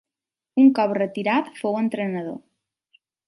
Un cop retirat fou entrenador.